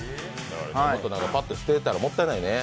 パッパっと捨ててたらもったいないね。